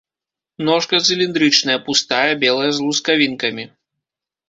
Ножка цыліндрычная, пустая, белая, з лускавінкамі.